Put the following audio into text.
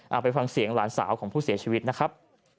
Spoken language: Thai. เอาไปฟังเสียงหลานสาวของผู้เสียชีวิตนะครับ